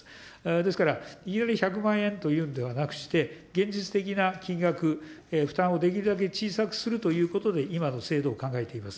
ですから、いきなり１００万円というんではなくして、現実的な金額、負担をできるだけ小さくするということで、今の制度を考えています。